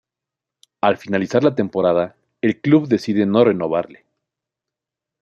Al finalizar la temporada, el club decide no renovarle.